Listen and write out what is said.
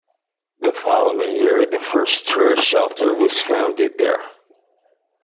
The following year the first tourist shelter was founded there.